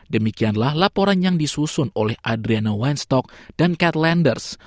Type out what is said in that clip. demikianlah laporan yang disusun oleh adriana weinstock dan kat landers